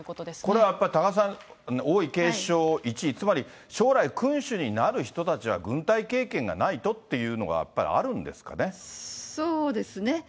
これはやっぱり多賀さん、王位継承１位、つまり、将来君主になる人たちは軍隊経験がないとっていうのが、やっぱりそうですね。